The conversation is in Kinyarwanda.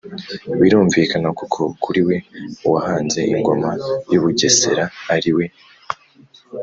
birumvikana kuko kuri we uwahanze ingoma y'u bugesera ari we